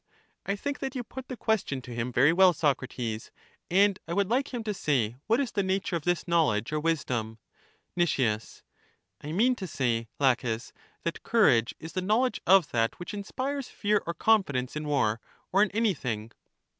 I think that you put the question to him very well, Socrates; and I would like him to say what is the nature of this knowledge or wisdom. Nic. I mean to say, Laches, that courage is the no LACHES knowledge of that which inspires fear or confidence in war, or in anything.